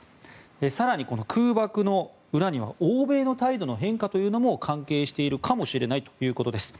更に空爆の裏には欧米の態度の変化というのも関係しているかもしれないということです。